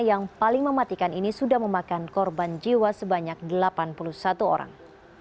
yang paling mematikan ini sudah memakan korban jiwa sebanyak delapan puluh satu orang